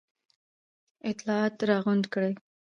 اطلاعات را غونډ کړي.